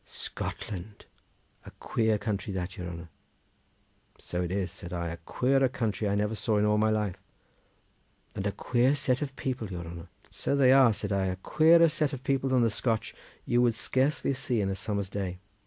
"Scotland! a queer country that, your honour!" "So it is," said I; "a queerer country I never saw in all my life." "And a queer set of people, your honour." "So they are," said I; "a queerer set of people than the Scotch you would scarcely see in a summer's day."